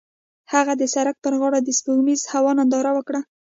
هغوی د سړک پر غاړه د سپوږمیز هوا ننداره وکړه.